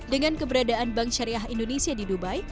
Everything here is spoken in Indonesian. dengan keberadaan bank syariah indonesia di dubai